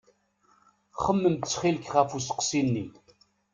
Xemmem ttxil-k ɣef usteqsi-nni.